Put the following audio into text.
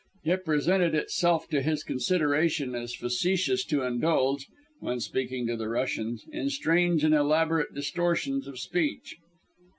It presented itself to his consideration as facetious to indulge (when speaking to the Russians) in strange and elaborate distortions of speech.